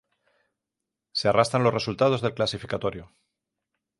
Se arrastran los resultados del clasificatorio.